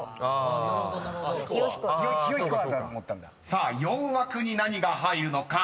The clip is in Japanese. ［さあ４枠に何が入るのか？